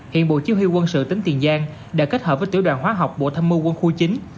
hiện bộ chi huy quân sự tỉnh tiền giang đã kết hợp với tiểu đoàn hóa học bộ thâm mưu quân khu chín